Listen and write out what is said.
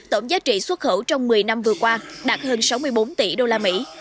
tổng giá trị xuất khẩu trong một mươi năm vừa qua đạt hơn sáu mươi bốn tỷ usd